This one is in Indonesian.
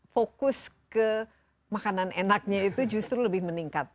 fokus ke makanan enaknya itu justru lebih meningkat